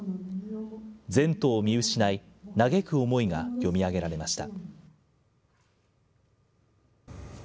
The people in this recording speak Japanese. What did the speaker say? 前途を見失い、嘆く思いが読み上げられました。